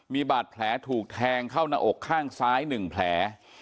มีบาดแผลถูกแทงเข้าหน้าอกข้างซ้าย๑แผล